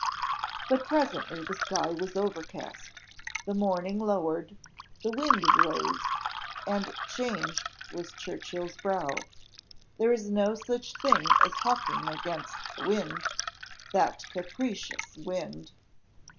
But presently the sky was overcast, the morning lowered, the wind rose, and changed was Churchill's brow; there is no such thing as hawking against the wind that capricious wind!